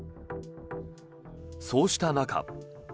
そうした中。